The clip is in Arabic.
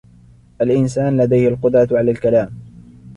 الإنسان لديه القدرة على الكلام.